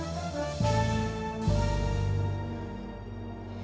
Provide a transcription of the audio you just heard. ambil lah amang ambil ambil amang ini ya allah